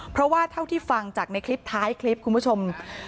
เพราะว่าเท่าที่ฟังจากในคลิปท้ายคลิปคุณผู้ชม